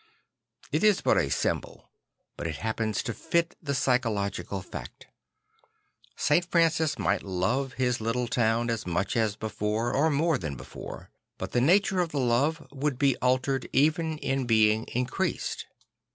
It is but a symbol; but it happens to fit the psychological fact. St. Francis might love his little town as much as before, or more than before; but the nature of the love would be altered even in being increased.